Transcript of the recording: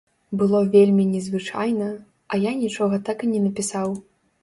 Было вельмі незвычайна, а я нічога так і не напісаў.